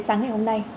sáng ngày hôm nay